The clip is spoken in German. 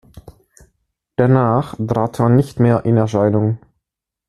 Danach trat er nicht mehr in Erscheinung.